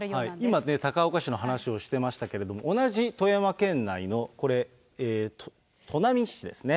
今、高岡市の話をしていましたけれども、同じ富山県内の、これ、砺波市ですね。